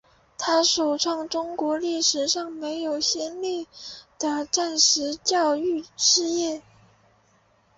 它首创了中国历史上没有先例的战时教育事业。